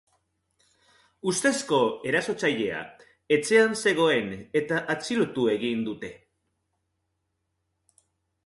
Ustezko erasotzailea etxean zegoen eta atxilotu egin dute.